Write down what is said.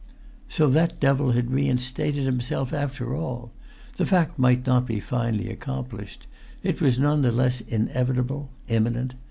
So that devil had reinstated himself after all! The fact might not be finally accomplished; it was none the less inevitable, imminent.